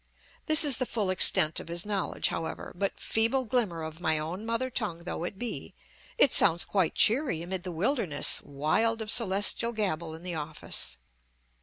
This is the full extent of his knowledge, however; but, feeble glimmer of my own mother tongue though it be, it sounds quite cheery amid the wilderness wild of Celestial gabble in the office.